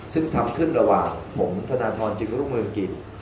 ซึ่งทำขึ้นระหว่างผมธนทรจึงรุ่งเรืองกิจ